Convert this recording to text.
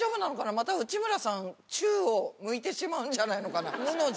また内村さん宙を向いてしまうんじゃないのかな。